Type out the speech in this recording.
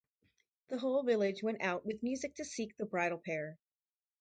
The whole village went out with music to seek the bridal pair.